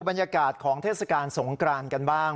บรรยากาศของเทศกาลสงกรานกันบ้าง